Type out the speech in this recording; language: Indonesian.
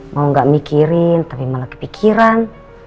mau gak mikirin tapi malah kepikiran